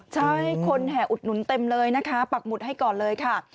ใช่คนแห่อุดหนุนเต็มเลยนะคะปักหมุดให้ก่อนเลยค่ะ